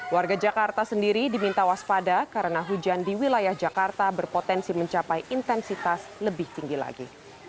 warga jakarta sendiri diminta waspada karena hujan di wilayah jakarta berpotensi mencapai intensitas lebih tinggi lagi